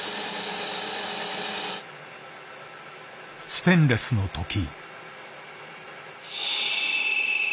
ステンレスのとき。